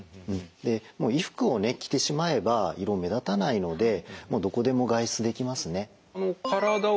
もう衣服を着てしまえば胃ろう目立たないのでどこでも外出できますね。